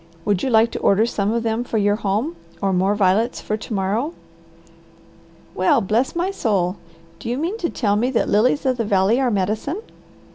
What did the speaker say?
Would you like to order some of them for your house or more violets for to morrow?" "Well bless my soul! Do you mean to tell me that lilies of the valley are medicine?"